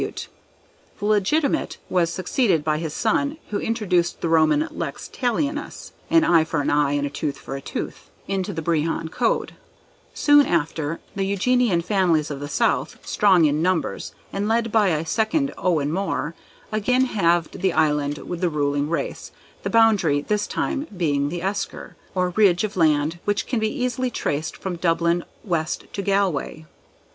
"The Legitimate" was succeeded by his son, who introduced the Roman Lex Talionis ("an eye for an eye and a tooth for a tooth") into the Brehon code; soon after, the Eugenian families of the south, strong in numbers, and led by a second Owen More, again halved the Island with the ruling race, the boundary this time being the esker, or ridge of land which can be easily traced from Dublin west to Galway.